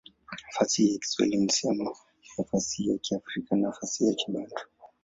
Fasihi ya Kiswahili ni sehemu ya fasihi ya Kiafrika na fasihi ya Kibantu.